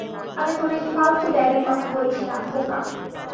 আমি তোর এই ফালতু ব্যাগের কথা বলছিনা, বোকা।